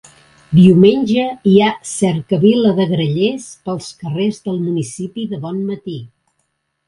Diumenge hi ha cercavila de grallers pels carrers del municipi de bon matí.